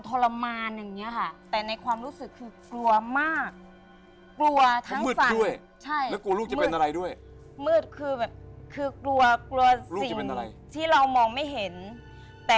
ตะโกนแบบอ้าาาาาาาาาา